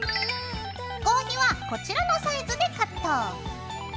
合皮はこちらのサイズでカット。